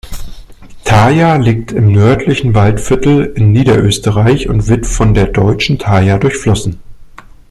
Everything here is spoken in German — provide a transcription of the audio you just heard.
Thaya liegt im nördlichen Waldviertel in Niederösterreich und wird von der Deutschen Thaya durchflossen.